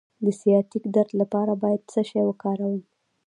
د سیاتیک درد لپاره باید څه شی وکاروم؟